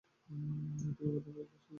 তিনি আপনাদের সামনের ফ্ল্যাটে থাকেন।